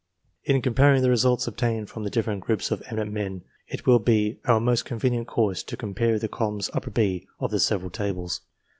In comparing the results obtained from the different groups of eminent men, it will be our most convenient course to compare the columns B of the several tables.